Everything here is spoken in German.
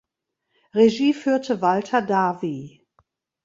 Regie führte Walter Davy.